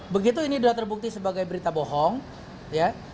begitu ini sudah terbukti sebagai berita bohong ya